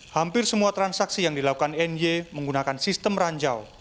hampir semua transaksi yang dilakukan ny menggunakan sistem ranjau